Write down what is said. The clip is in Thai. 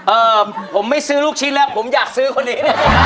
เอ่อผมไม่ซื้อลูกชิ้นแล้วผมอยากซื้อคนนี้